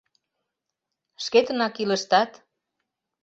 — Шкетынак илыштат?